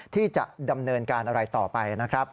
ที่จะดำเนินการอะไรต่อไปนะครับ